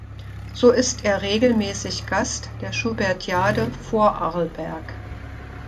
So ist er regelmäßig Gast der Schubertiade Vorarlberg.